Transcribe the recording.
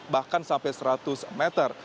bahkan sampai seratus meter